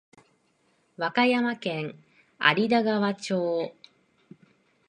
和歌山県有田川町